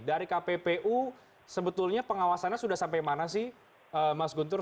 dari kppu sebetulnya pengawasannya sudah sampai mana sih mas guntur